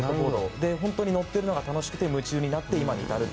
で、本当に乗ってるのが楽しくて夢中になって今に至ると。